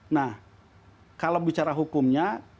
nah kalau bicara hukumnya